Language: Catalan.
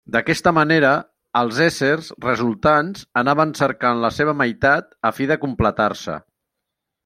D'aquesta manera, els éssers resultants anaven cercant la seva meitat a fi de completar-se.